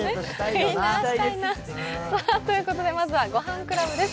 いいな、したいな。ということで、まずは「ごはんクラブ」です。